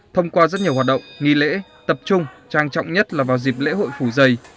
thông qua rất nhiều hoạt động nghi lễ tập trung trang trọng nhất là vào dịp lễ hội phủ dây